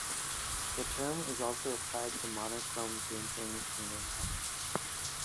The term is also applied to monochrome painting in enamels.